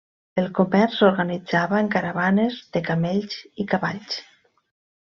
El comerç s'organitzava en caravanes de camells i cavalls.